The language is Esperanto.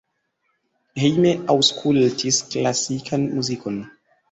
Hejme aŭskultis klasikan muzikon.